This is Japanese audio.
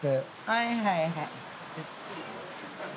はいはいはい。